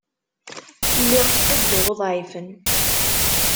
Lliɣ ttḥudduɣ uḍɛifen.